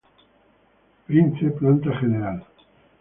Prince, planta general.